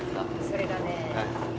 それがね。